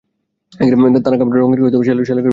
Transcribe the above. তারা কাপড়ে রঙ করে ও সেলাই করে বিভিন্ন নকশা অঙ্কন করতো।